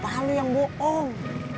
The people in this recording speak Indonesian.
berarti bapak lu yang bohong